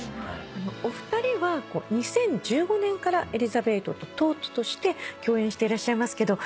お二人は２０１５年からエリザベートとトートとして共演していらっしゃいますけどいかがですか？